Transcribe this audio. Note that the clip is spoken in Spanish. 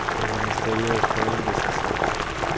El Ministerio está indeciso.